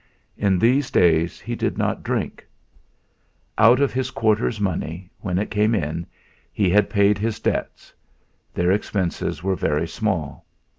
In these days he did not drink. Out of his quarter's money, when it came in, he had paid his debts their expenses were very small.